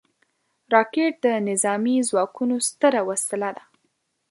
راکټ د نظامي ځواکونو ستره وسله ده